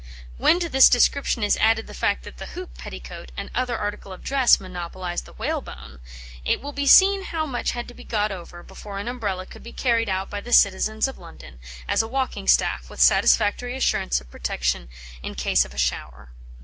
When to this description is added the fact that the hoop petticoat and another article of dress monopolised the whalebone, it will be seen how much had to be got over before an Umbrella could be carried out by the citizens of London, as a walking staff, with satisfactory assurance of protection in case of a shower.